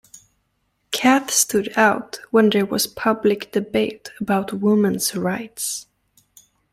Canth stood out when there was public debate about women's rights.